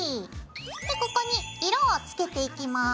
でここに色をつけていきます。